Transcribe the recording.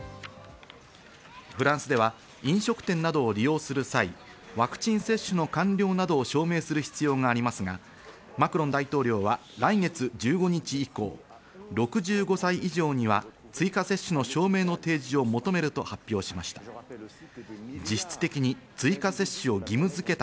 フランスでは飲食店などを利用する際、ワクチン接種の完了などを証明する必要がありますが、マクロン大統領は来月１５日以降、６５歳以上には追加接種の証明の提示を求めると発表しました。